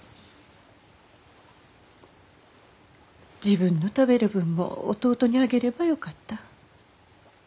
自分の食べる分も弟にあげればよかった。